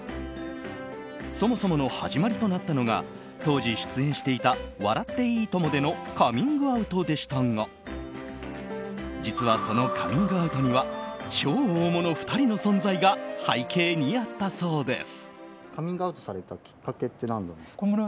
そもそもの始まりとなったのが当時出演していた「笑っていいとも！」でのカミングアウトでしたが実は、そのカミングアウトには超大物２人の存在が背景にあったそうです。